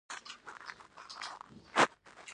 ګندهارا هنر بودا ته انساني څیره ورکړه